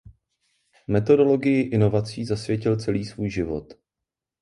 Metodologii inovací zasvětil celý svůj život.